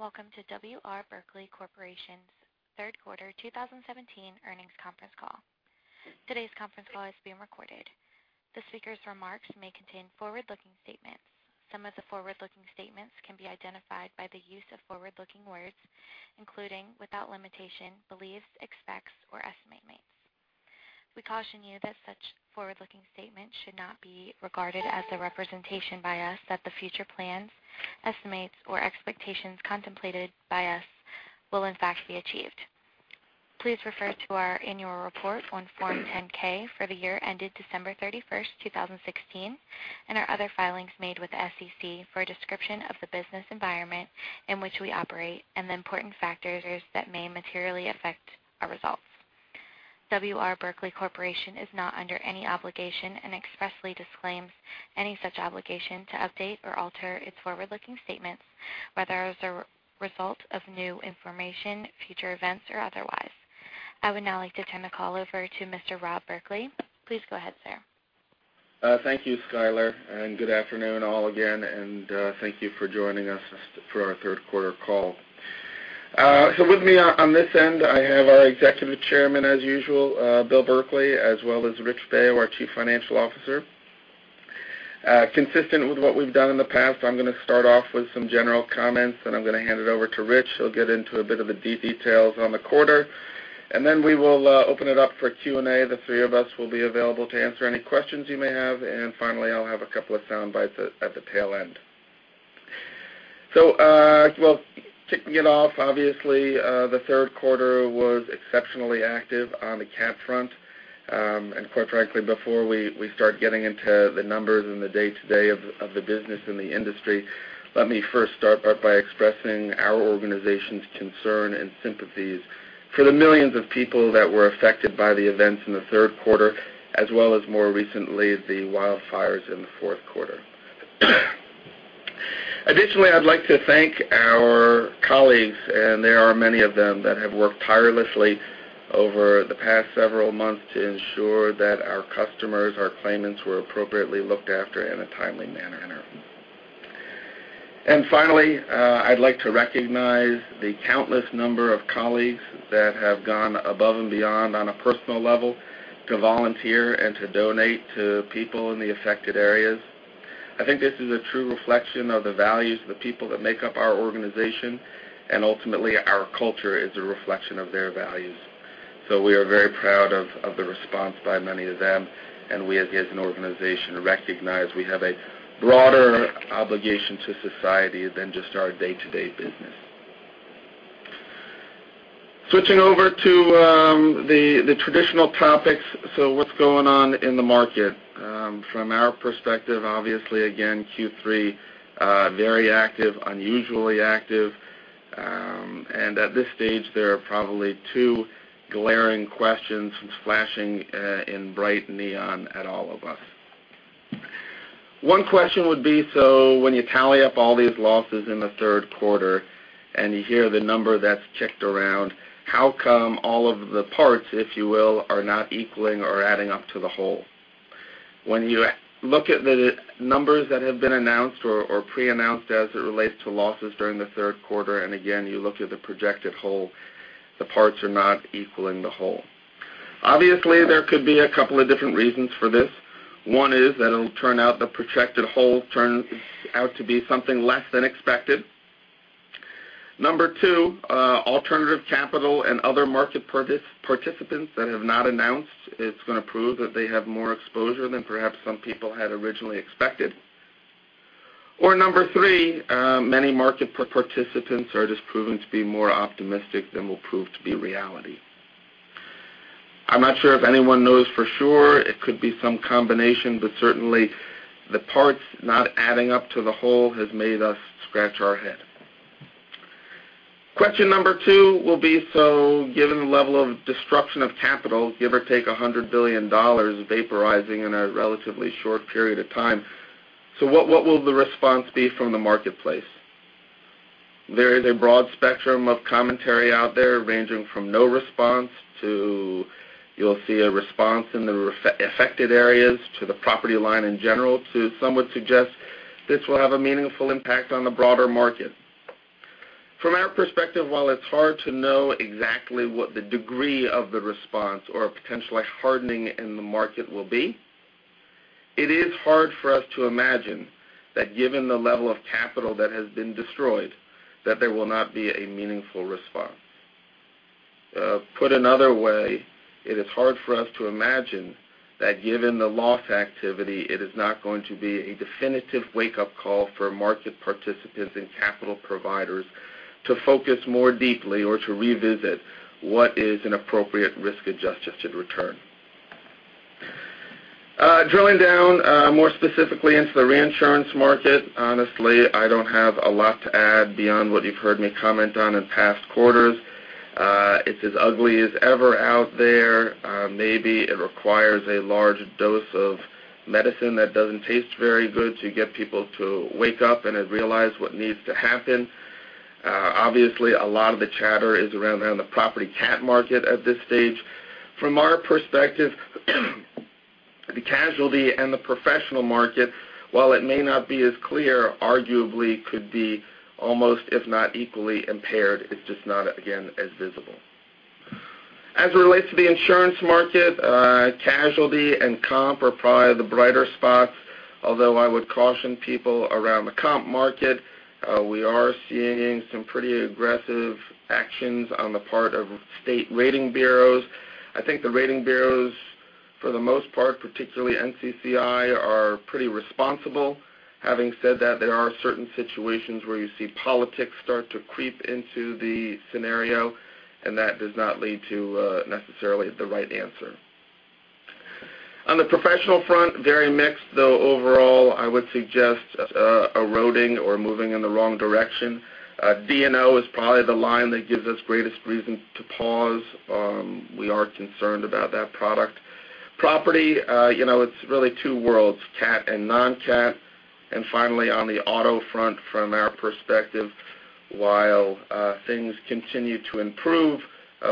Welcome to W. R. Berkley Corporation's third quarter 2017 earnings conference call. Today's conference call is being recorded. The speaker's remarks may contain forward-looking statements. Some of the forward-looking statements can be identified by the use of forward-looking words, including, without limitation, believes, expects or estimates. We caution you that such forward-looking statements should not be regarded as a representation by us that the future plans, estimates, or expectations contemplated by us will in fact be achieved. Please refer to our annual report on Form 10-K for the year ended December 31st, 2016, and our other filings made with the SEC for a description of the business environment in which we operate and the important factors that may materially affect our results. W. R. Berkley Corporation is not under any obligation and expressly disclaims any such obligation to update or alter its forward-looking statements, whether as a result of new information, future events, or otherwise. I would now like to turn the call over to Mr. Rob Berkley. Please go ahead, sir. Thank you, Skyler, good afternoon all again, and thank you for joining us for our third quarter call. With me on this end, I have our Executive Chairman as usual, Bill Berkley, as well as Rich Baio, our Chief Financial Officer. Consistent with what we've done in the past, I'm going to start off with some general comments, then I'm going to hand it over to Rich, who'll get into a bit of the details on the quarter. Then we will open it up for Q&A. The three of us will be available to answer any questions you may have. Finally, I'll have a couple of soundbites at the tail end. Well, kicking it off, obviously, the third quarter was exceptionally active on the cat front. Quite frankly, before we start getting into the numbers and the day-to-day of the business and the industry, let me first start by expressing our organization's concern and sympathies for the millions of people that were affected by the events in the third quarter, as well as more recently, the wildfires in the fourth quarter. Additionally, I'd like to thank our colleagues, and there are many of them that have worked tirelessly over the past several months to ensure that our customers, our claimants were appropriately looked after in a timely manner. Finally, I'd like to recognize the countless number of colleagues that have gone above and beyond on a personal level to volunteer and to donate to people in the affected areas. I think this is a true reflection of the values of the people that make up our organization, and ultimately our culture is a reflection of their values. We are very proud of the response by many of them, and we as an organization recognize we have a broader obligation to society than just our day-to-day business. Switching over to the traditional topics. What's going on in the market? From our perspective, obviously again, Q3 very active, unusually active. At this stage, there are probably two glaring questions flashing in bright neon at all of us. One question would be, when you tally up all these losses in the third quarter and you hear the number that's kicked around, how come all of the parts, if you will, are not equaling or adding up to the whole? When you look at the numbers that have been announced or pre-announced as it relates to losses during the third quarter, again, you look at the projected whole, the parts are not equaling the whole. Obviously, there could be a couple of different reasons for this. One is that it will turn out the projected whole turns out to be something less than expected. Number 2, alternative capital and other market participants that have not announced it is going to prove that they have more exposure than perhaps some people had originally expected. Number 3, many market participants are just proving to be more optimistic than will prove to be reality. I am not sure if anyone knows for sure. It could be some combination, but certainly the parts not adding up to the whole has made us scratch our head. Question number 2 will be given the level of disruption of capital, give or take $100 billion vaporizing in a relatively short period of time. What will the response be from the marketplace? There is a broad spectrum of commentary out there, ranging from no response to you will see a response in the affected areas to the property line in general, to some would suggest this will have a meaningful impact on the broader market. From our perspective, while it is hard to know exactly what the degree of the response or a potential hardening in the market will be, it is hard for us to imagine that given the level of capital that has been destroyed, that there will not be a meaningful response. Put another way, it is hard for us to imagine that given the loss activity, it is not going to be a definitive wake-up call for market participants and capital providers to focus more deeply or to revisit what is an appropriate risk-adjusted return. Drilling down more specifically into the reinsurance market. Honestly, I do not have a lot to add beyond what you have heard me comment on in past quarters. It is as ugly as ever out there. Maybe it requires a large dose of medicine that does not taste very good to get people to wake up and realize what needs to happen. Obviously, a lot of the chatter is around the property cat market at this stage. From our perspective, the casualty and the professional market, while it may not be as clear, arguably could be almost if not equally impaired. It is just not, again, as visible. As it relates to the insurance market, casualty and comp are probably the brighter spots, although I would caution people around the comp market. We are seeing some pretty aggressive actions on the part of state rating bureaus. I think the rating bureaus, for the most part, particularly NCCI, are pretty responsible. Having said that, there are certain situations where you see politics start to creep into the scenario, and that does not lead to necessarily the right answer. On the professional front, very mixed, though overall, I would suggest eroding or moving in the wrong direction. D&O is probably the line that gives us greatest reason to pause. We are concerned about that product. Property, it's really two worlds, CAT and non-CAT. Finally, on the auto front, from our perspective, while things continue to improve,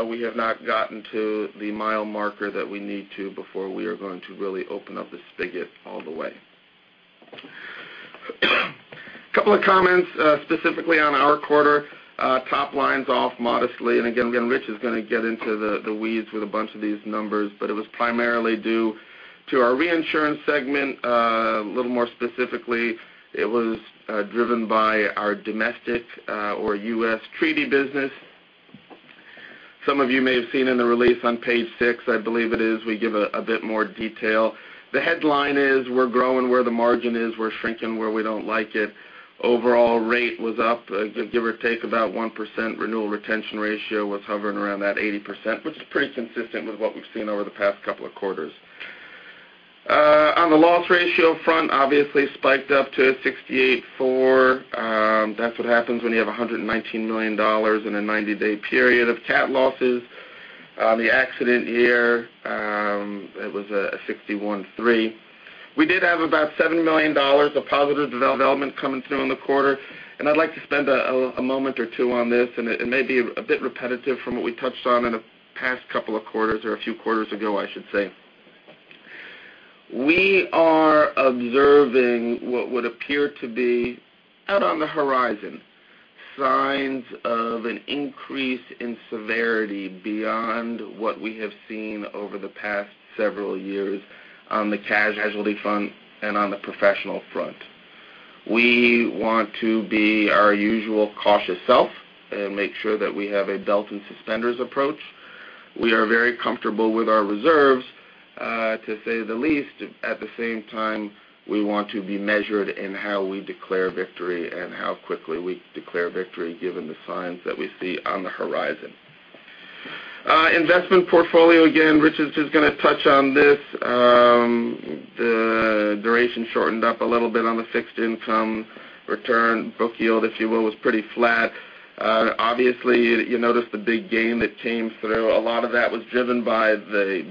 we have not gotten to the mile marker that we need to before we are going to really open up the spigot all the way. A couple of comments, specifically on our quarter. Top line's off modestly, and again, Rich is going to get into the weeds with a bunch of these numbers, but it was primarily due to our reinsurance segment. A little more specifically, it was driven by our domestic or U.S. treaty business. Some of you may have seen in the release on page six, I believe it is, we give a bit more detail. The headline is we're growing where the margin is, we're shrinking where we don't like it. Overall rate was up, give or take about 1%. Renewal retention ratio was hovering around that 80%, which is pretty consistent with what we've seen over the past couple of quarters. On the loss ratio front, obviously spiked up to 68.4%. That's what happens when you have $119 million in a 90-day period of CAT losses. The accident year, it was a 61.3%. We did have about $7 million of positive development coming through in the quarter, and I'd like to spend a moment or two on this, and it may be a bit repetitive from what we touched on in a past couple of quarters or a few quarters ago, I should say. We are observing what would appear to be out on the horizon, signs of an increase in severity beyond what we have seen over the past several years on the casualty front and on the professional front. We want to be our usual cautious self and make sure that we have a belt and suspenders approach. We are very comfortable with our reserves, to say the least. At the same time, we want to be measured in how we declare victory and how quickly we declare victory given the signs that we see on the horizon. Investment portfolio, again, Richard is just going to touch on this. The duration shortened up a little bit on the fixed income return. Book yield, if you will, was pretty flat. Obviously, you notice the big gain that came through. A lot of that was driven by the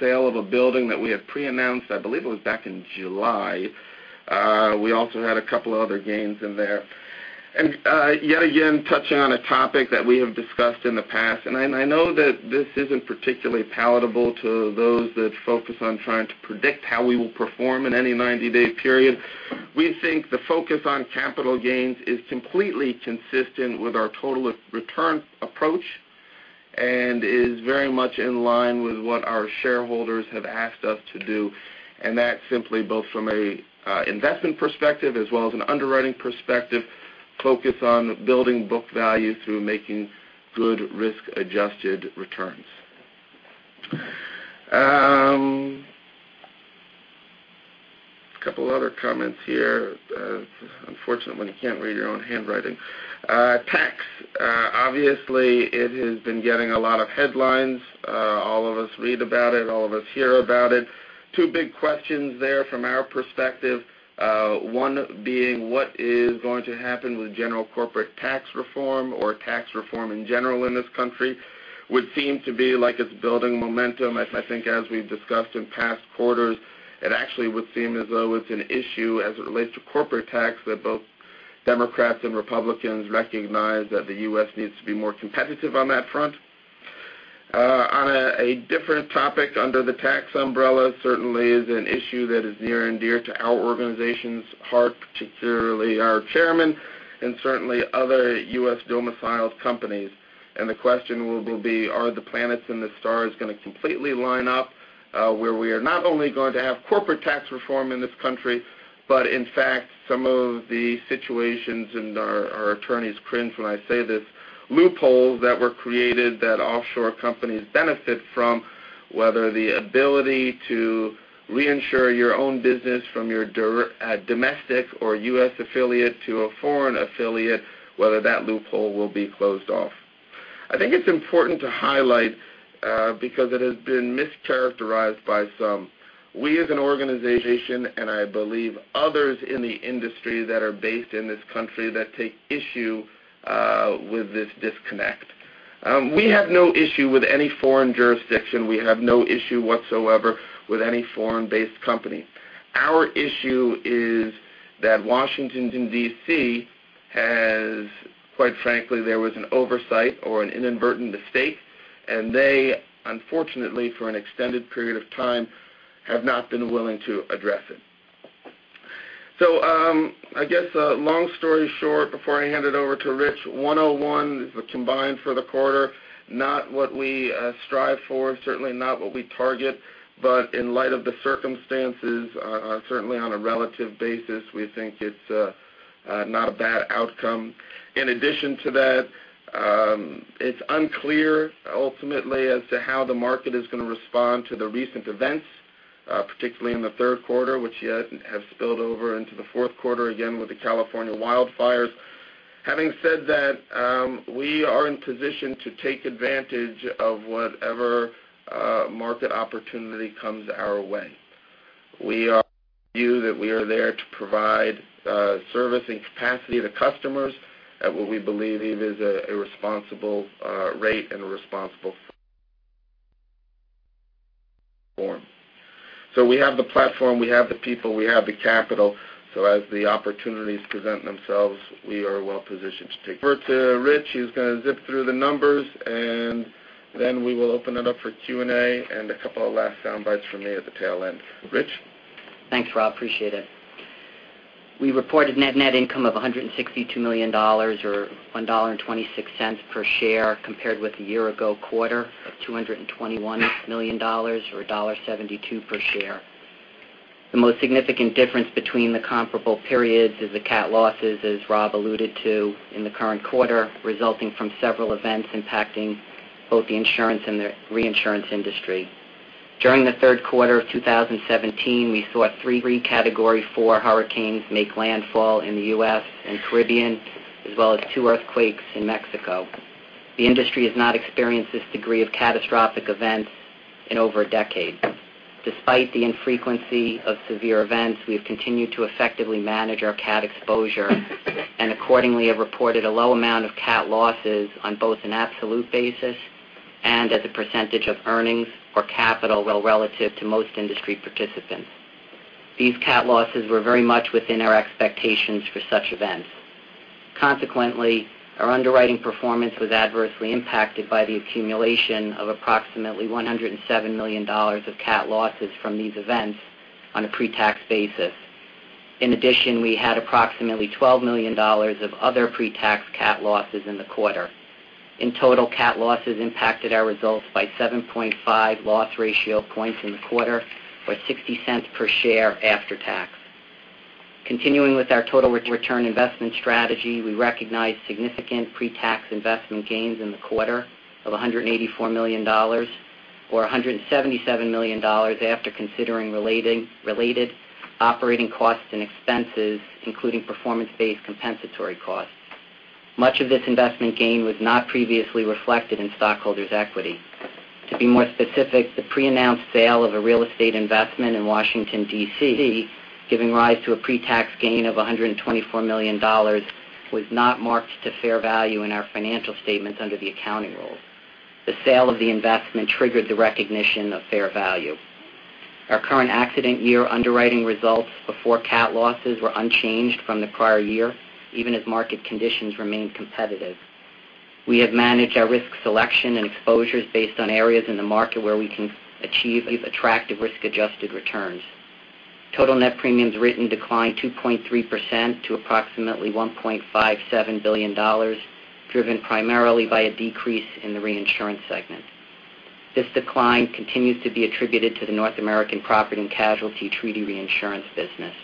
sale of a building that we had pre-announced, I believe it was back in July. We also had a couple other gains in there. Yet again, touching on a topic that we have discussed in the past, I know that this isn't particularly palatable to those that focus on trying to predict how we will perform in any 90-day period. We think the focus on capital gains is completely consistent with our total return approach and is very much in line with what our shareholders have asked us to do, and that's simply both from an investment perspective as well as an underwriting perspective, focus on building book value through making good risk-adjusted returns. A couple other comments here. It's unfortunate when you can't read your own handwriting. Tax. Obviously, it has been getting a lot of headlines. All of us read about it. All of us hear about it. Two big questions there from our perspective. One being, what is going to happen with general corporate tax reform or tax reform in general in this country? Would seem to be like it's building momentum. I think as we've discussed in past quarters, it actually would seem as though it's an issue as it relates to corporate tax that both Democrats and Republicans recognize that the U.S. needs to be more competitive on that front. On a different topic under the tax umbrella, certainly is an issue that is near and dear to our organization's heart, particularly our Chairman and certainly other U.S. domiciled companies. The question will be, are the planets and the stars going to completely line up where we are not only going to have corporate tax reform in this country, but in fact, some of the situations, and our attorneys cringe when I say this, loopholes that were created that offshore companies benefit from, whether the ability to reinsure your own business from your domestic or U.S. affiliate to a foreign affiliate, whether that loophole will be closed off. I think it's important to highlight because it has been mischaracterized by some. We as an organization, and I believe others in the industry that are based in this country that take issue with this disconnect. We have no issue with any foreign jurisdiction. We have no issue whatsoever with any foreign-based company. Our issue is that Washington, D.C. As quite frankly, there was an oversight or an inadvertent mistake, and they, unfortunately, for an extended period of time, have not been willing to address it. I guess long story short, before I hand it over to Rich, 101 is combined for the quarter, not what we strive for, certainly not what we target. But in light of the circumstances, certainly on a relative basis, we think it's not a bad outcome. In addition to that, it's unclear ultimately as to how the market is going to respond to the recent events, particularly in the third quarter, which yet have spilled over into the fourth quarter, again, with the California wildfires. Having said that, we are in position to take advantage of whatever market opportunity comes our way. We view that we are there to provide service and capacity to customers at what we believe is a responsible rate and a responsible form. We have the platform, we have the people, we have the capital. As the opportunities present themselves, we are well positioned. Over to Rich, who's going to zip through the numbers, and then we will open it up for Q&A and a couple of last soundbites from me at the tail end. Rich? Thanks, Rob. Appreciate it. We reported net income of $162 million, or $1.26 per share, compared with a year ago quarter of $221 million or $1.72 per share. The most significant difference between the comparable periods is the cat losses, as Rob alluded to in the current quarter, resulting from several events impacting both the insurance and the reinsurance industry. During the third quarter of 2017, we saw three category 4 hurricanes make landfall in the U.S. and Caribbean, as well as two earthquakes in Mexico. The industry has not experienced this degree of catastrophic events in over a decade. Despite the infrequency of severe events, we have continued to effectively manage our cat exposure and accordingly have reported a low amount of cat losses on both an absolute basis and as a percentage of earnings or capital, while relative to most industry participants. These cat losses were very much within our expectations for such events. Consequently, our underwriting performance was adversely impacted by the accumulation of approximately $107 million of cat losses from these events on a pre-tax basis. In addition, we had approximately $12 million of other pre-tax cat losses in the quarter. In total, cat losses impacted our results by 7.5 loss ratio points in the quarter, or $0.60 per share after tax. Continuing with our total return investment strategy, we recognized significant pre-tax investment gains in the quarter of $184 million, or $177 million after considering related operating costs and expenses, including performance-based compensatory costs. Much of this investment gain was not previously reflected in stockholders' equity. To be more specific, the pre-announced sale of a real estate investment in Washington, D.C., giving rise to a pre-tax gain of $124 million, was not marked to fair value in our financial statements under the accounting rules. The sale of the investment triggered the recognition of fair value. Our current accident year underwriting results before cat losses were unchanged from the prior year, even as market conditions remained competitive. We have managed our risk selection and exposures based on areas in the market where we can achieve attractive risk-adjusted returns. Total net premiums written declined 2.3% to approximately $1.57 billion, driven primarily by a decrease in the reinsurance segment. This decline continues to be attributed to the North American property and casualty treaty reinsurance business.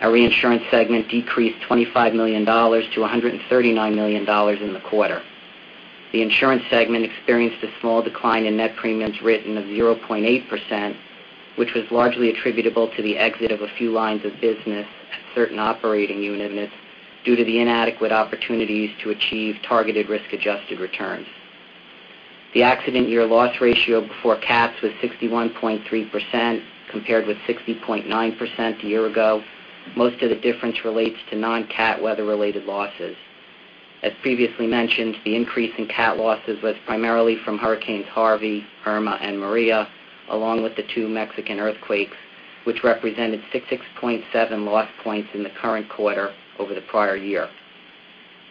Our reinsurance segment decreased $25 million to $139 million in the quarter. The insurance segment experienced a small decline in net premiums written of 0.8%, which was largely attributable to the exit of a few lines of business at certain operating units due to the inadequate opportunities to achieve targeted risk adjusted returns. The accident year loss ratio before cats was 61.3%, compared with 60.9% a year ago. Most of the difference relates to non-cat weather related losses. As previously mentioned, the increase in cat losses was primarily from Hurricane Harvey, Hurricane Irma, and Hurricane Maria, along with the two Mexican earthquakes, which represented 66.7 loss points in the current quarter over the prior year.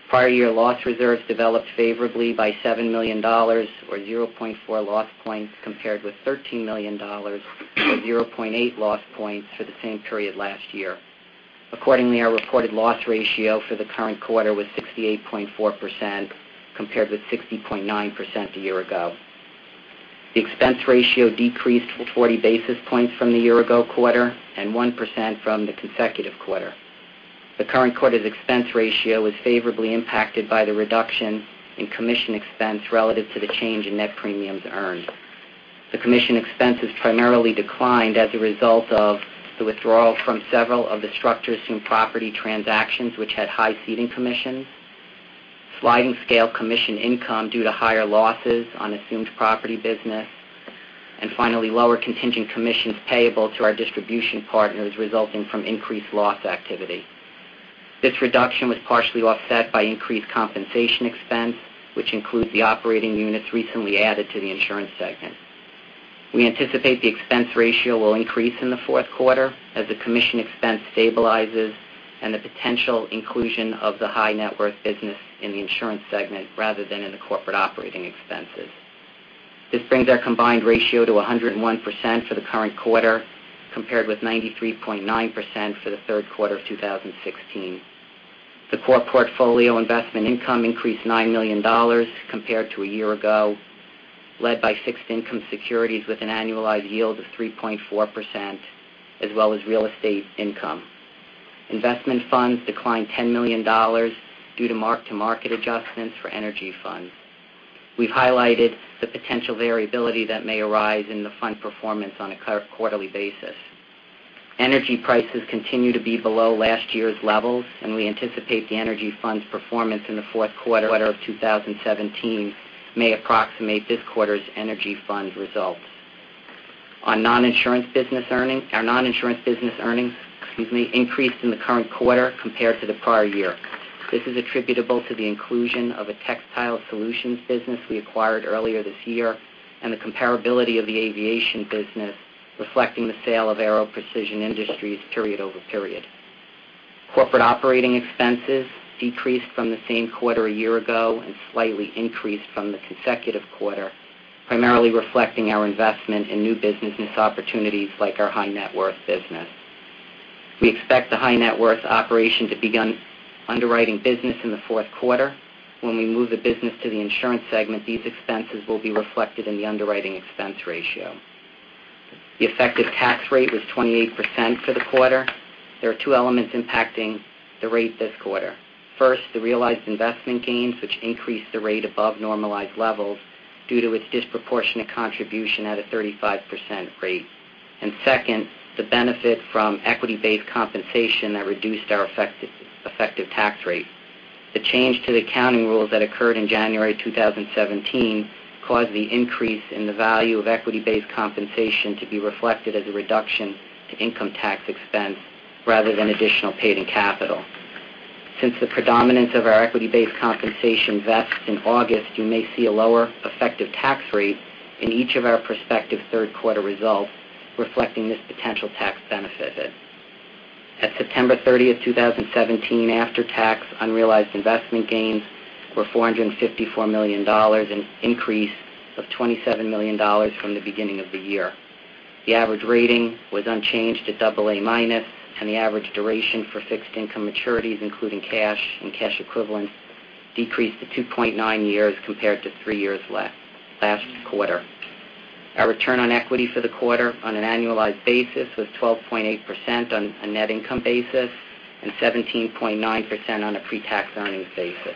Prior year loss reserves developed favorably by $7 million, or 0.4 loss points, compared with $13 million or 0.8 loss points for the same period last year. Accordingly, our reported loss ratio for the current quarter was 68.4%, compared with 60.9% a year ago. The expense ratio decreased 40 basis points from the year ago quarter and 1% from the consecutive quarter. The current quarter's expense ratio was favorably impacted by the reduction in commission expense relative to the change in net premiums earned. The commission expenses primarily declined as a result of the withdrawal from several of the structures in property transactions which had high ceding commissions, sliding scale commission income due to higher losses on assumed property business, and finally, lower contingent commissions payable to our distribution partners resulting from increased loss activity. This reduction was partially offset by increased compensation expense, which includes the operating units recently added to the insurance segment. We anticipate the expense ratio will increase in the fourth quarter as the commission expense stabilizes and the potential inclusion of the high net worth business in the insurance segment rather than in the corporate operating expenses. This brings our combined ratio to 101% for the current quarter, compared with 93.9% for the third quarter of 2016. The core portfolio investment income increased $9 million compared to a year ago, led by fixed income securities with an annualized yield of 3.4%, as well as real estate income. Investment funds declined $10 million due to mark-to-market adjustments for energy funds. We've highlighted the potential variability that may arise in the fund performance on a quarterly basis. Energy prices continue to be below last year's levels, and we anticipate the energy funds performance in the fourth quarter of 2017 may approximate this quarter's energy fund results. Our non-insurance business earnings, excuse me, increased in the current quarter compared to the prior year. This is attributable to the inclusion of a textile solutions business we acquired earlier this year, and the comparability of the aviation business, reflecting the sale of Aero Precision Industries period over period. Corporate operating expenses decreased from the same quarter a year ago and slightly increased from the consecutive quarter, primarily reflecting our investment in new business opportunities like our high net worth business. We expect the high net worth operation to begin underwriting business in the fourth quarter. When we move the business to the insurance segment, these expenses will be reflected in the underwriting expense ratio. The effective tax rate was 28% for the quarter. There are two elements impacting the rate this quarter. First, the realized investment gains, which increased the rate above normalized levels due to its disproportionate contribution at a 35% rate. Second, the benefit from equity-based compensation that reduced our effective tax rate. The change to the accounting rules that occurred in January 2017 caused the increase in the value of equity-based compensation to be reflected as a reduction to income tax expense rather than additional paid-in capital. Since the predominance of our equity-based compensation vests in August, you may see a lower effective tax rate in each of our prospective third quarter results, reflecting this potential tax benefit. At September 30th, 2017, after-tax unrealized investment gains were $454 million, an increase of $27 million from the beginning of the year. The average rating was unchanged at double A-minus, and the average duration for fixed income maturities, including cash and cash equivalents, decreased to 2.9 years, compared to three years last quarter. Our return on equity for the quarter on an annualized basis was 12.8% on a net income basis and 17.9% on a pre-tax earnings basis.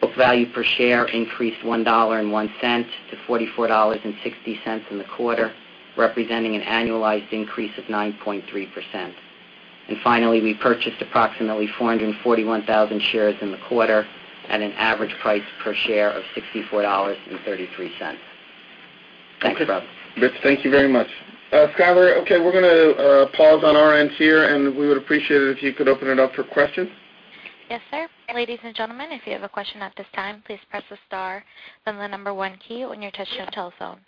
Book value per share increased $1.01 to $44.60 in the quarter, representing an annualized increase of 9.3%. Finally, we purchased approximately 441,000 shares in the quarter at an average price per share of $64.33. Thanks, Rob. Rich, thank you very much. Skyler, okay, we're going to pause on our end here, and we would appreciate it if you could open it up for questions. Yes, sir. Ladies and gentlemen, if you have a question at this time, please press the star, then the number one key on your touchtone telephone.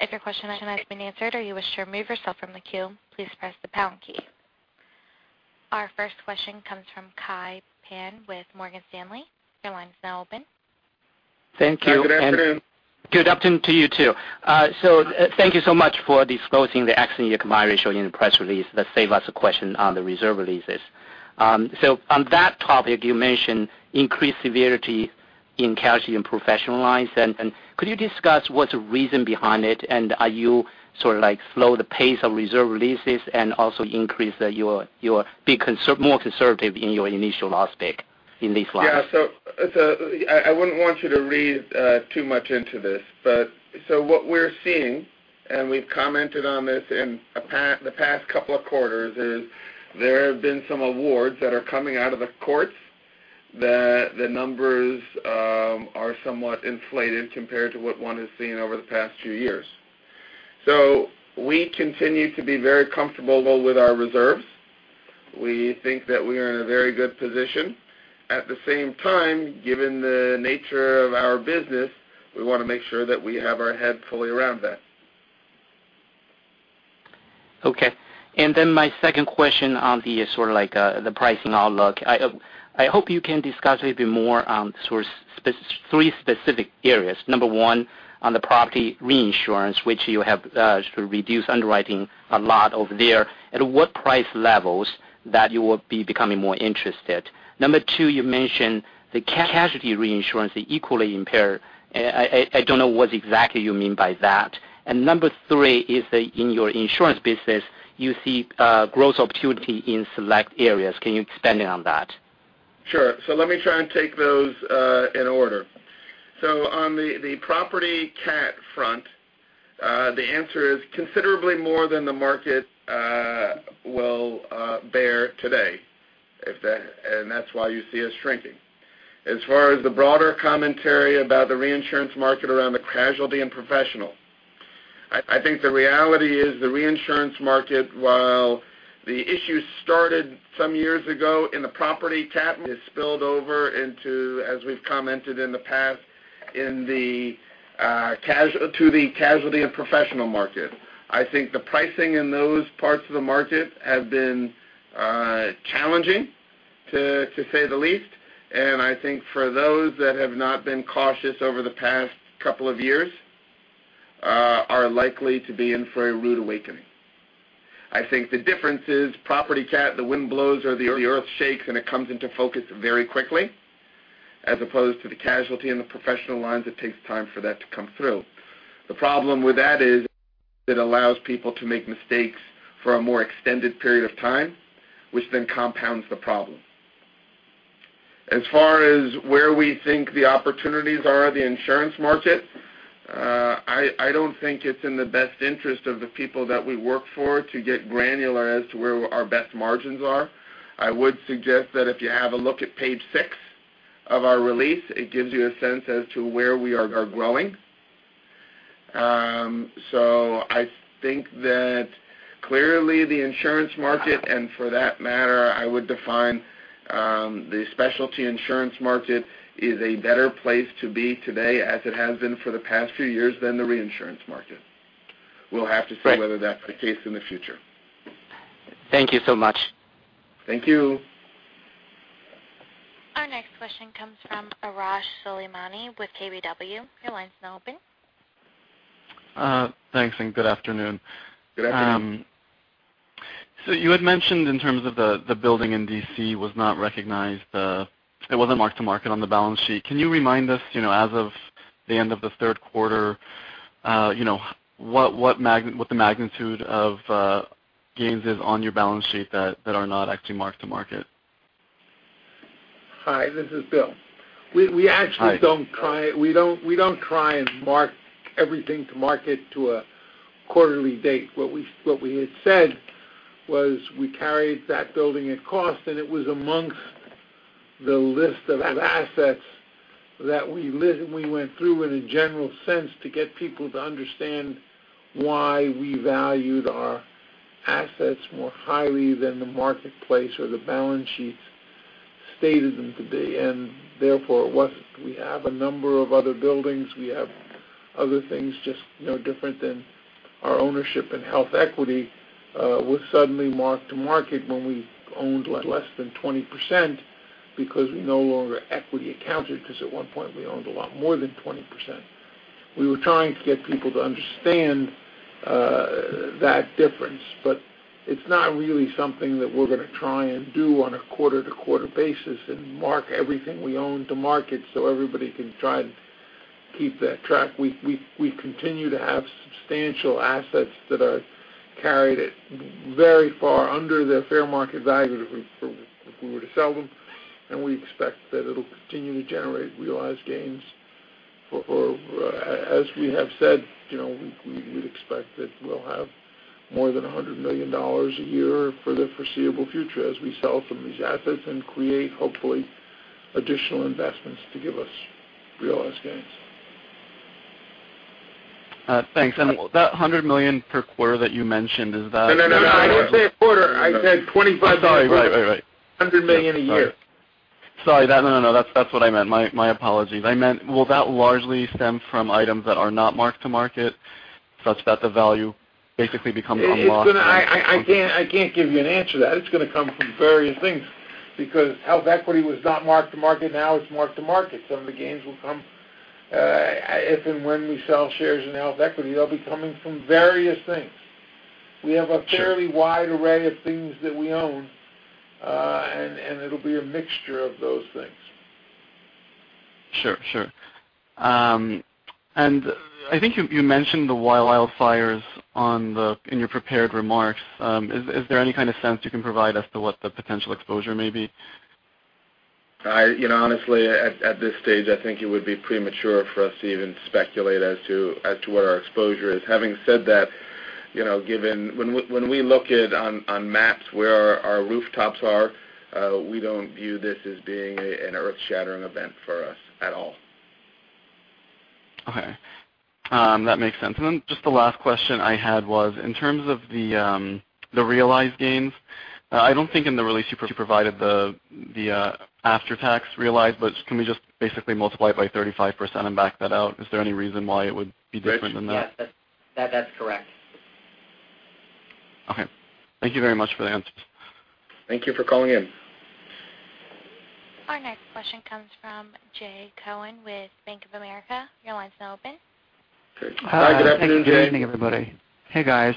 If your question has been answered or you wish to remove yourself from the queue, please press the pound key. Our first question comes from Kai Pan with Morgan Stanley. Your line is now open. Thank you. Hi, good afternoon. Good afternoon to you, too. Thank you so much for disclosing the accident year combined ratio in the press release. That save us a question on the reserve releases. On that topic, you mentioned increased severity in casualty and professional lines. Could you discuss what's the reason behind it, and are you sort of slow the pace of reserve releases and also more conservative in your initial loss pick in these lines? Yeah. I wouldn't want you to read too much into this. What we're seeing, and we've commented on this in the past couple of quarters, is there have been some awards that are coming out of the courts that the numbers are somewhat inflated compared to what one has seen over the past few years. We continue to be very comfortable with our reserves. We think that we are in a very good position. At the same time, given the nature of our business, we want to make sure that we have our head fully around that. My second question on the sort of like the pricing outlook. I hope you can discuss a bit more on sort of three specific areas. Number one, on the property reinsurance, which you have sort of reduced underwriting a lot over there. At what price levels that you will be becoming more interested? Number two, you mentioned the casualty reinsurance, the equally impaired. I don't know what exactly you mean by that. Number three is that in your insurance business, you see growth opportunity in select areas. Can you expand on that? Sure. Let me try and take those in order. On the property cat front, the answer is considerably more than the market will bear today, and that's why you see us shrinking. As far as the broader commentary about the reinsurance market around the casualty and professional, I think the reality is the reinsurance market, while the issue started some years ago in the property cat and has spilled over into, as we've commented in the past, to the casualty and professional market. I think the pricing in those parts of the market have been challenging, to say the least. I think for those that have not been cautious over the past couple of years, are likely to be in for a rude awakening. I think the difference is property cat, the wind blows or the earth shakes, and it comes into focus very quickly, as opposed to the casualty and the professional lines, it takes time for that to come through. The problem with that is it allows people to make mistakes for a more extended period of time, which then compounds the problem. As far as where we think the opportunities are, the insurance market, I don't think it's in the best interest of the people that we work for to get granular as to where our best margins are. I would suggest that if you have a look at page six of our release, it gives you a sense as to where we are growing. I think that clearly the insurance market, and for that matter, I would define, the specialty insurance market is a better place to be today, as it has been for the past few years than the reinsurance market. We'll have to see whether that's the case in the future. Thank you so much. Thank you. Our next question comes from Arash Soleimani with KBW. Your line's now open. Thanks. Good afternoon. Good afternoon. You had mentioned in terms of the building in D.C. was not recognized, it wasn't mark-to-market on the balance sheet. Can you remind us, as of the end of the third quarter, what the magnitude of gains is on your balance sheet that are not actually mark-to-market? Hi, this is Bill. Hi. We don't try and mark everything to market to a quarterly date. What we had said was we carried that building at cost, it was amongst the list of assets that we went through in a general sense to get people to understand why we valued our assets more highly than the marketplace or the balance sheets stated them to be. Therefore, we have a number of other buildings, we have other things just different than our ownership in HealthEquity, was suddenly mark-to-market when we owned less than 20% because we no longer equity accounted, because at one point, we owned a lot more than 20%. We were trying to get people to understand that difference. It's not really something that we're going to try and do on a quarter-to-quarter basis and mark everything we own to market so everybody can try and keep that track. We continue to have substantial assets that are carried at very far under their fair market value if we were to sell them, and we expect that it'll continue to generate realized gains. As we have said, we'd expect that we'll have more than $100 million a year for the foreseeable future as we sell some of these assets and create, hopefully, additional investments to give us realized gains. Thanks. That $100 million per quarter that you mentioned, is that No, no, I didn't say a quarter. I said I'm sorry. Right $20 million a year. Sorry. No, that's what I meant. My apologies. I meant, will that largely stem from items that are not mark-to-market, such that the value basically becomes unlocked? I can't give you an answer to that. It's going to come from various things because HealthEquity was not mark-to-market, now it's mark-to-market. Some of the gains will come if and when we sell shares in HealthEquity. They'll be coming from various things. Sure. We have a fairly wide array of things that we own, and it'll be a mixture of those things. Sure. I think you mentioned the wildfires in your prepared remarks. Is there any kind of sense you can provide as to what the potential exposure may be? Honestly, at this stage, I think it would be premature for us to even speculate as to what our exposure is. Having said that, when we look at on maps where our rooftops are, we don't view this as being an earth-shattering event for us at all. Okay. That makes sense. Just the last question I had was, in terms of the realized gains, I don't think in the release you provided the after-tax realized, but can we just basically multiply it by 35% and back that out? Is there any reason why it would be different than that? Rich? Yes, that's correct. Okay. Thank you very much for the answers. Thank you for calling in. Our next question comes from Jay Cohen with Bank of America. Your line's now open. Great. Good afternoon, Jay. Good afternoon, everybody. Hey, guys.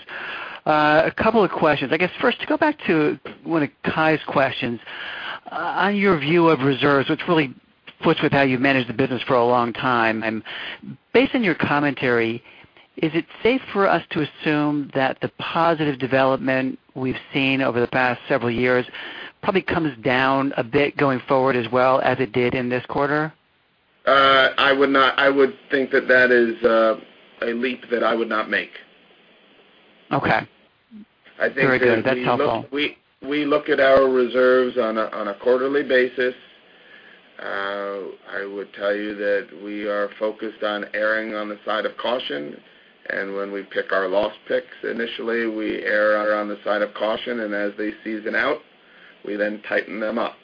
A couple of questions. I guess, first, to go back to one of Kai's questions. On your view of reserves, which really fits with how you've managed the business for a long time, and based on your commentary, is it safe for us to assume that the positive development we've seen over the past several years probably comes down a bit going forward as well as it did in this quarter? I would think that that is a leap that I would not make. Okay. I think that. Very good. That's helpful. We look at our reserves on a quarterly basis. I would tell you that we are focused on erring on the side of caution, and when we pick our loss picks, initially, we err on the side of caution, and as they season out, we then tighten them up.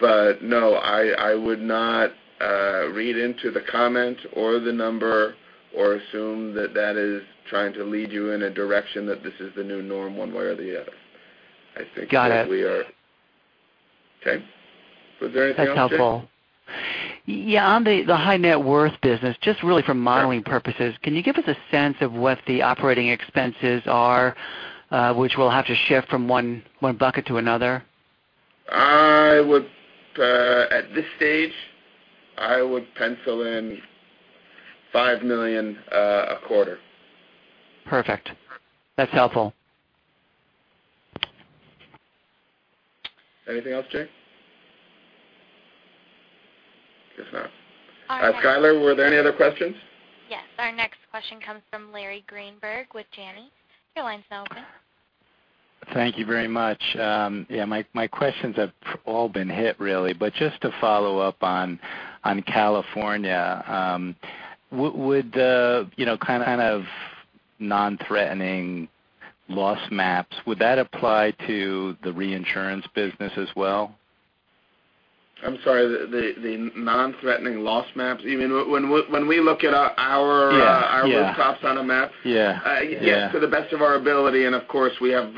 No, I would not read into the comment or the number or assume that that is trying to lead you in a direction that this is the new norm one way or the other. Got it. Okay. Was there anything else, Jay? That's helpful. Yeah, on the high net worth business, just really for modeling purposes, can you give us a sense of what the operating expenses are, which will have to shift from one bucket to another? At this stage, I would pencil in $5 million a quarter. Perfect. That's helpful. Anything else, Jay? Guess not. Skyler, were there any other questions? Yes. Our next question comes from Larry Greenberg with Janney. Your line's now open. Thank you very much. Yeah, my questions have all been hit, really. Just to follow up on California, would the kind of non-threatening loss maps, would that apply to the reinsurance business as well? I'm sorry, the non-threatening loss maps? You mean when we look at our Yeah our rooftops on a map? Yeah. Yes, to the best of our ability, and of course, we have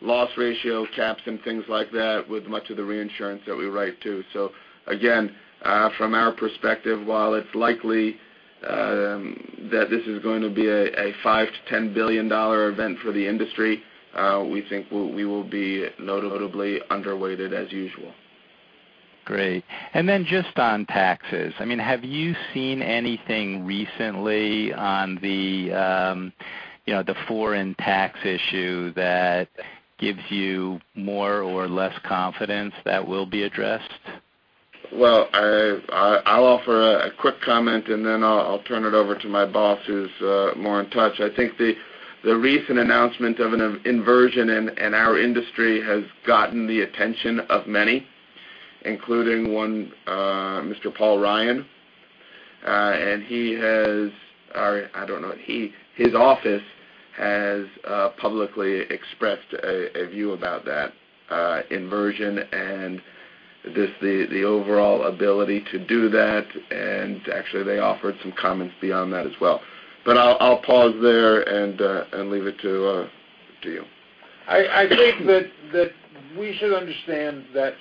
loss ratio caps and things like that with much of the reinsurance that we write, too. Again, from our perspective, while it's likely that this is going to be a $5 billion-$10 billion event for the industry, we think we will be notably underweighted as usual. Great. Then just on taxes, have you seen anything recently on the foreign tax issue that gives you more or less confidence that will be addressed? Well, I'll offer a quick comment and then I'll turn it over to my boss, who's more in touch. I think the recent announcement of an inversion in our industry has gotten the attention of many, including one Mr. Paul Ryan. His office has publicly expressed a view about that inversion and just the overall ability to do that. Actually, they offered some comments beyond that as well. I'll pause there and leave it to you. I think that we should understand that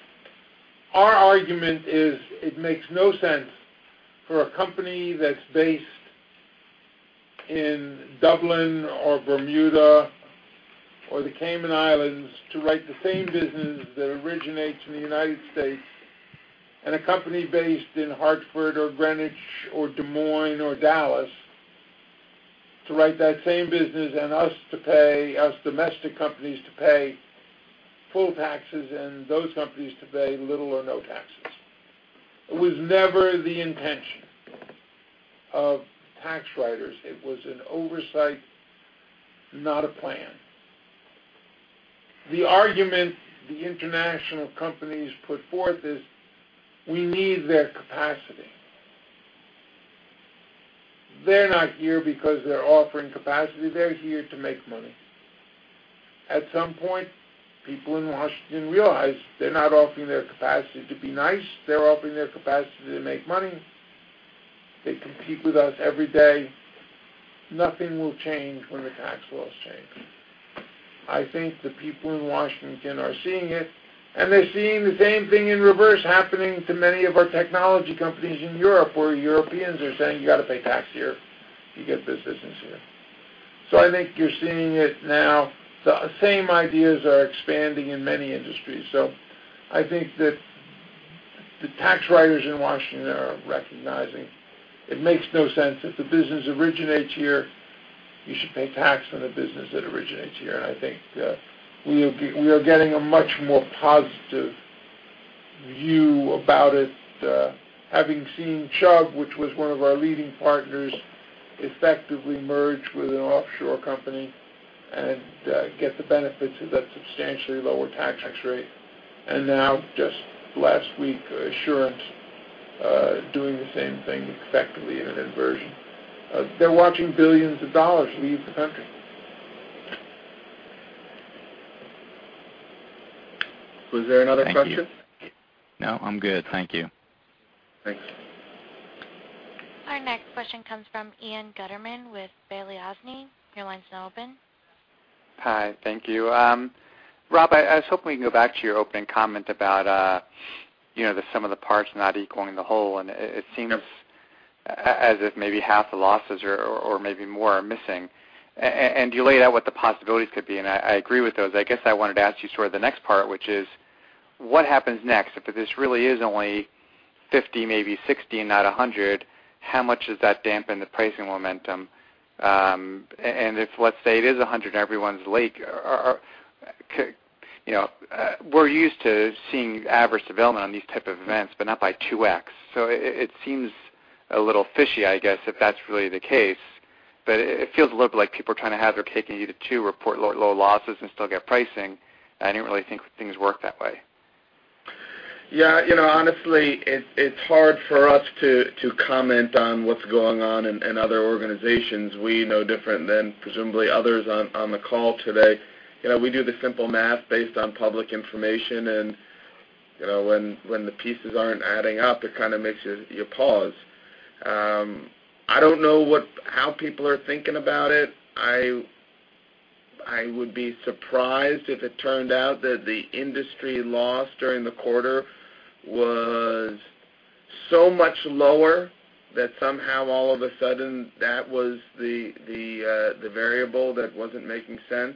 our argument is it makes no sense for a company that's based in Dublin or Bermuda or the Cayman Islands to write the same business that originates in the U.S., and a company based in Hartford or Greenwich or Des Moines or Dallas to write that same business and us domestic companies to pay full taxes and those companies to pay little or no taxes. It was never the intention of tax writers. It was an oversight, not a plan. The argument the international companies put forth is we need their capacity. They're not here because they're offering capacity. They're here to make money. At some point, people in Washington realized they're not offering their capacity to be nice. They're offering their capacity to make money. They compete with us every day. Nothing will change when the tax laws change. I think the people in Washington are seeing it, and they're seeing the same thing in reverse happening to many of our technology companies in Europe, where Europeans are saying, "You got to pay tax here. You get this business here." I think you're seeing it now. The same ideas are expanding in many industries. I think that the tax writers in Washington are recognizing it makes no sense. If the business originates here, you should pay tax on a business that originates here. I think we are getting a much more positive view about it. Having seen Chubb, which was one of our leading partners, effectively merge with an offshore company and get the benefit of that substantially lower tax rate. Now, just last week, Assurant doing the same thing effectively in an inversion. They're watching billions of dollars leave the country. Was there another question? No, I'm good. Thank you. Thanks. Our next question comes from Ian Gutterman with Balyasny. Your line's now open. Hi. Thank you. Rob, I was hoping we could go back to your opening comment about the sum of the parts not equaling the whole, and it seems as if maybe half the losses or maybe more are missing. You laid out what the possibilities could be, and I agree with those. I guess I wanted to ask you sort of the next part, which is what happens next? If this really is only 50, maybe 60, and not 100, how much does that dampen the pricing momentum? If, let's say, it is 100 and everyone's late, we're used to seeing adverse development on these type of events, but not by two X. It seems a little fishy, I guess, if that's really the case. It feels a little bit like people are trying to have their cake and eat it too, report low losses and still get pricing. I didn't really think things worked that way. Honestly, it's hard for us to comment on what's going on in other organizations. We know different than presumably others on the call today. We do the simple math based on public information, and when the pieces aren't adding up, it kind of makes you pause. I don't know how people are thinking about it. I would be surprised if it turned out that the industry loss during the quarter was so much lower that somehow all of a sudden that was the variable that wasn't making sense.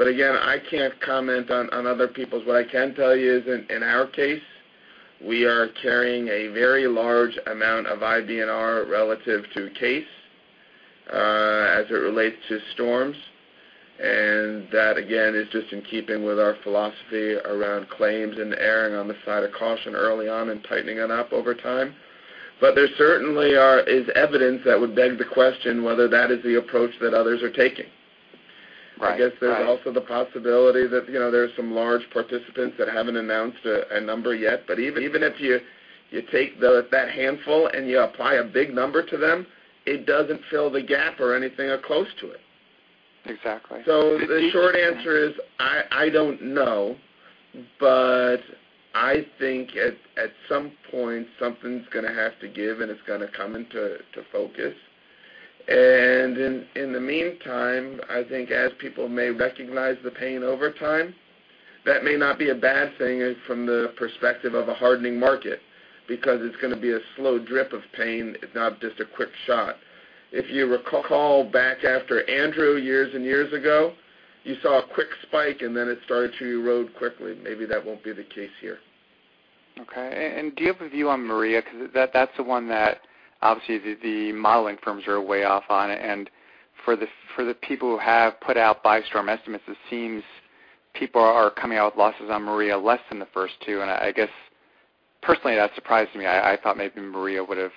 Again, I can't comment on other people. What I can tell you is in our case, we are carrying a very large amount of IBNR relative to case, as it relates to storms. That again, is just in keeping with our philosophy around claims and erring on the side of caution early on and tightening it up over time. There certainly is evidence that would beg the question whether that is the approach that others are taking. Right. I guess there's also the possibility that there are some large participants that haven't announced a number yet, but even if you take that handful and you apply a big number to them, it doesn't fill the gap or anything or close to it. Exactly. The short answer is, I don't know, but I think at some point, something's going to have to give, and it's going to come into focus. In the meantime, I think as people may recognize the pain over time, that may not be a bad thing from the perspective of a hardening market, because it's going to be a slow drip of pain, if not just a quick shot. If you recall back after Andrew years and years ago, you saw a quick spike, and then it started to erode quickly. Maybe that won't be the case here. Okay. Do you have a view on Maria? Because that's the one that obviously the modeling firms are way off on. For the people who have put out by-storm estimates, it seems people are coming out with losses on Maria less than the first two. I guess personally, that surprised me. I thought maybe Maria would have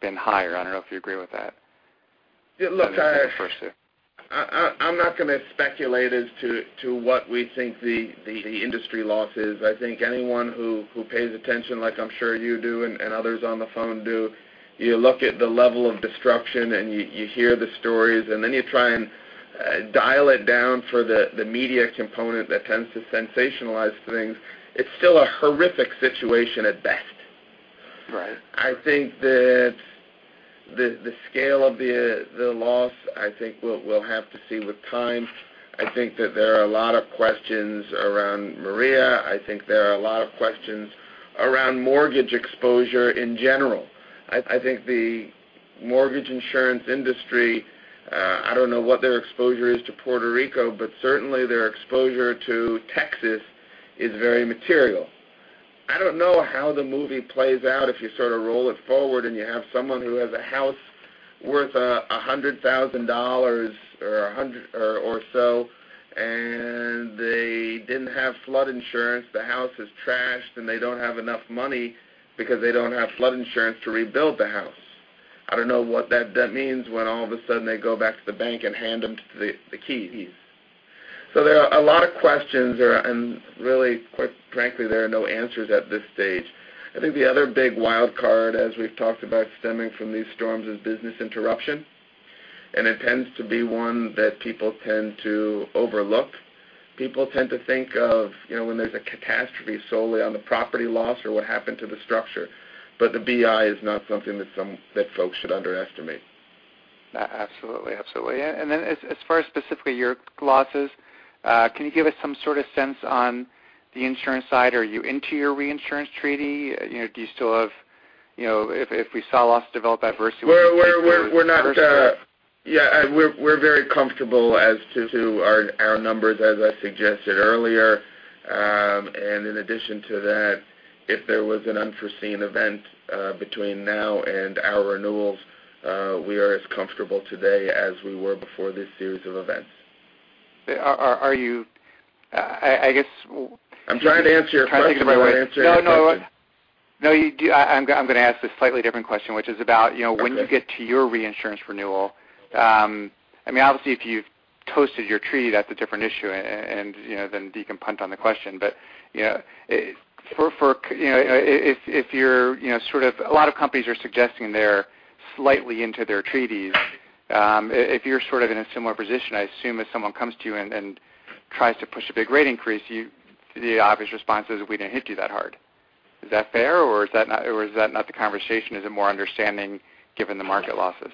been higher. I don't know if you agree with that. Look- Than the first two I'm not going to speculate as to what we think the industry loss is. I think anyone who pays attention, like I'm sure you do and others on the phone do, you look at the level of destruction, and you hear the stories, and then you try and dial it down for the media component that tends to sensationalize things. It's still a horrific situation at best. Right. I think that the scale of the loss, I think we'll have to see with time. I think that there are a lot of questions around Maria. I think there are a lot of questions around mortgage exposure in general. I think the mortgage insurance industry, I don't know what their exposure is to Puerto Rico, but certainly their exposure to Texas is very material. I don't know how the movie plays out if you sort of roll it forward and you have someone who has a house worth $100,000 or so, and they didn't have flood insurance. The house is trashed, and they don't have enough money because they don't have flood insurance to rebuild the house. I don't know what that means when all of a sudden they go back to the bank and hand them the keys. There are a lot of questions and really, quite frankly, there are no answers at this stage. I think the other big wild card, as we've talked about stemming from these storms, is business interruption, and it tends to be one that people tend to overlook. People tend to think of when there's a catastrophe solely on the property loss or what happened to the structure. The BI is not something that folks should underestimate. Absolutely. As far as specifically your losses, can you give us some sort of sense on the insurance side? Are you into your reinsurance treaty? If we saw loss develop adversely- We're very comfortable as to our numbers, as I suggested earlier. In addition to that, if there was an unforeseen event between now and our renewals, we are as comfortable today as we were before this series of events. Are you? I'm trying to answer your question, but I want to answer your question. No, you do. I'm going to ask a slightly different question, which is. Okay When you get to your reinsurance renewal. Obviously, if you've toasted your treaty, that's a different issue, and then you can punt on the question. A lot of companies are suggesting they're slightly into their treaties. If you're in a similar position, I assume if someone comes to you and tries to push a big rate increase, the obvious response is, "We didn't hit you that hard." Is that fair, or is that not the conversation? Is it more understanding given the market losses?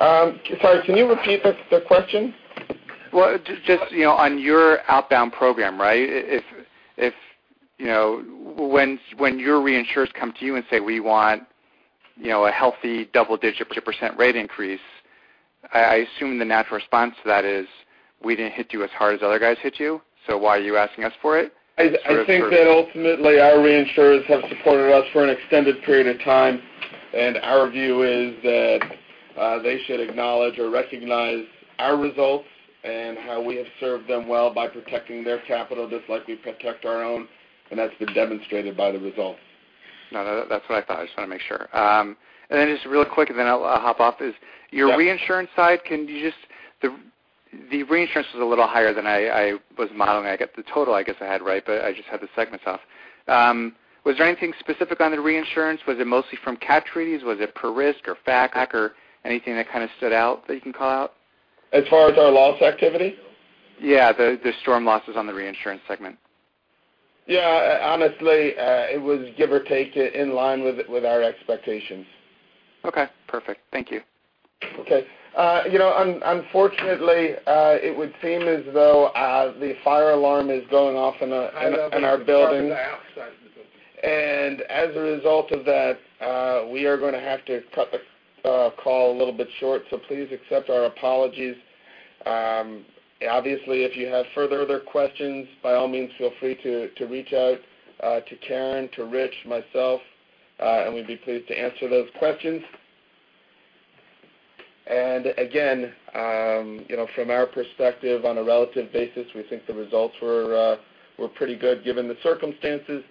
Sorry, can you repeat the question? Well, just on your outbound program, right? When your reinsurers come to you and say, "We want a healthy double-digit % rate increase," I assume the natural response to that is, "We didn't hit you as hard as other guys hit you, so why are you asking us for it? I think that ultimately our reinsurers have supported us for an extended period of time, and our view is that they should acknowledge or recognize our results and how we have served them well by protecting their capital just like we protect our own, and that's been demonstrated by the results. No, that's what I thought. I just want to make sure. Just really quick, and then I'll hop off. Yeah your reinsurance side, the reinsurance was a little higher than I was modeling. I got the total, I guess I had right, but I just had the segments off. Was there anything specific on the reinsurance? Was it mostly from cat treaties? Was it per risk or FAC or anything that kind of stood out that you can call out? As far as our loss activity? Yeah, the storm losses on the reinsurance segment. Yeah, honestly, it was give or take in line with our expectations. Okay, perfect. Thank you. Okay. Unfortunately, it would seem as though the fire alarm is going off in our building. As a result of that, we are going to have to cut the call a little bit short, so please accept our apologies. Obviously, if you have further other questions, by all means, feel free to reach out to Karen, to Rich, myself, and we'd be pleased to answer those questions. Again, from our perspective, on a relative basis, we think the results were pretty good given the circumstances.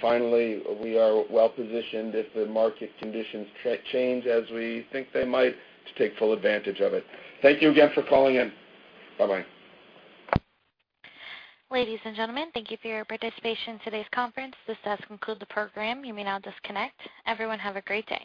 Finally, we are well-positioned if the market conditions change as we think they might, to take full advantage of it. Thank you again for calling in. Bye-bye. Ladies and gentlemen, thank you for your participation in today's conference. This does conclude the program. You may now disconnect. Everyone, have a great day.